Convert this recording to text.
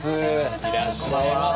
いらっしゃいませ。